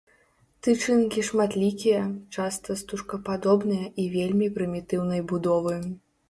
Тычынкі шматлікія, часта стужкападобныя і вельмі прымітыўнай будовы.